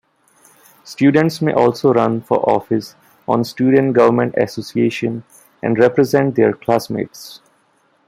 Students may also run for office on Student Government Association and represent their classmates.